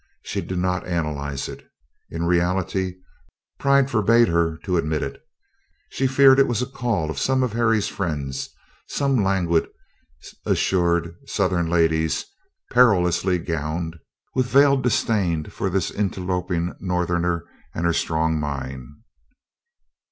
She did not analyze it. In reality pride forbade her to admit it she feared it was a call of some of Harry's friends: some languid, assured Southern ladies, perilously gowned, with veiled disdain for this interloping Northerner and her strong mind.